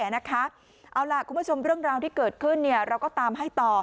เอาล่ะคุณผู้ชมเรื่องราวที่เกิดขึ้นเราก็ตามให้ต่อ